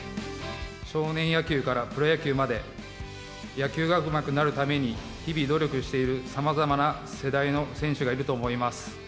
少年野球からプロ野球まで、野球がうまくなるために日々努力しているさまざまな世代の選手がいると思います。